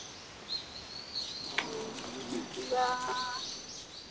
こんにちは。